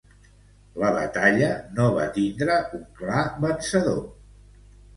La batalla no va tindre un clar vencedor.